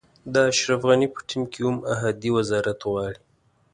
د اشرف غني په ټیم کې هم احدي وزارت غواړي.